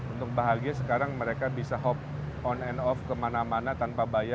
untuk bahagia sekarang mereka bisa hop on and off kemana mana tanpa bayar